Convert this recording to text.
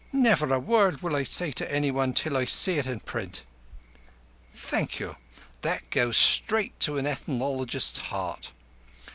Never a word will I say to anyone till I see it in print." "Thank you. That goes straight to an ethnologist's heart.